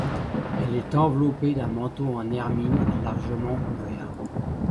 Elle est enveloppée d'un manteau en hermine, largement ouvert.